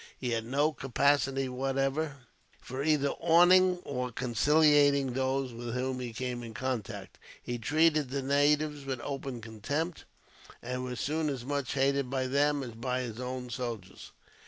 He had no capacity, whatever, for either awing or conciliating those with whom he came in contact. He treated the natives with open contempt, and was soon as much hated, by them, as by his own soldiers.